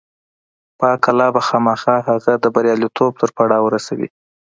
پاک الله به خامخا هغه د برياليتوب تر پړاوه رسوي.